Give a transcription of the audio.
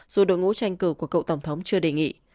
dù đội ngũ tranh cử của cựu tổng thống chưa đề nghị